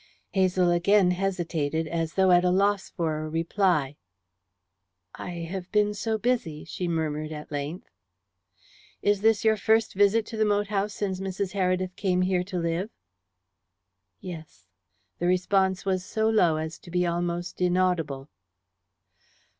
Hazel again hesitated, as though at a loss for a reply. "I have been so busy," she murmured at length. "Is this your first visit to the moat house since Mrs. Heredith came here to live?" "Yes." The response was so low as to be almost inaudible.